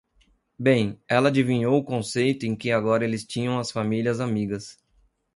Bem, ela adivinhou o conceito em que agora eles tinham as famílias amigas.